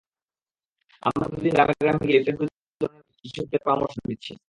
আমরা প্রতিদিন গ্রামে গ্রামে গিয়ে লিফলেট বিতরণের পাশাপাশি কৃষকদের পরামর্শ দিচ্ছি।